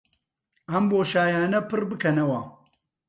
ئەم بۆشایییانە پڕ بکەنەوە